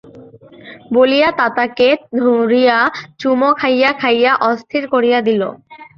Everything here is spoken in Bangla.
বলিয়া তাতাকে ধরিয়া চুমো খাইয়া খাইয়া অস্থির করিয়া দিল।